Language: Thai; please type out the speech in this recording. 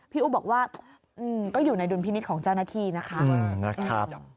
อุ๊บบอกว่าก็อยู่ในดุลพินิษฐ์ของเจ้าหน้าที่นะคะ